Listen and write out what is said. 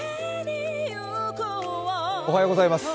おはようございます。